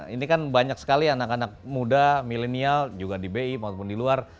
ini kan banyak sekali anak anak muda milenial juga di bi maupun di luar